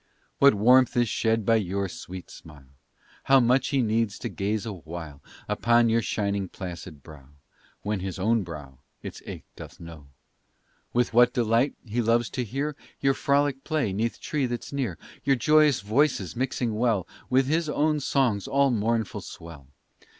What warmth is shed by your sweet smile! How much he needs to gaze awhile Upon your shining placid brow, When his own brow its ache doth know; With what delight he loves to hear Your frolic play 'neath tree that's near, Your joyous voices mixing well With his own song's all mournful swell!